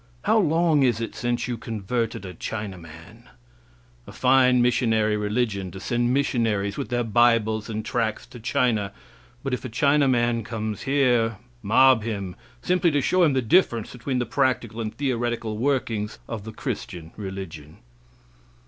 How long is it since you converted a Chinaman? A fine missionary religion, to send missionaries, with their bibles and tracts, to China, but if a Chinaman comes here, mob him, simply to show him the difference between the practical and theoretical workings of the Christian religion.